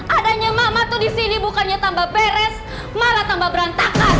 adanya emak emak tuh disini bukannya tambah beres malah tambah berantakan